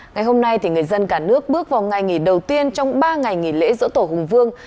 ngày hôm nay người dân cả nước bước vào ngày nghỉ đầu tiên trong ba ngày nghỉ lễ dỗ tổ hùng vương